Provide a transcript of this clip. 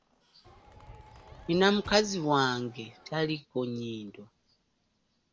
Nina mukazi wange taliiko nnyindo.